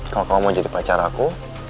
kalau kamu mau jadi pacar aku